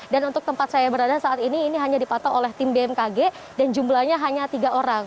dan untuk tempat saya berada saat ini ini hanya dipatok oleh tim bmkg dan jumlahnya hanya tiga orang